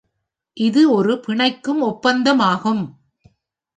இது ஒரு பிணைக்கும் ஒப்பந்தமாகும்.